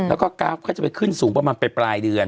แล้วก็กราฟก็จะไปขึ้นสูงประมาณไปปลายเดือน